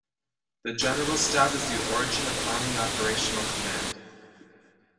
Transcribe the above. The Generalstab is the origin of Army Operational Command.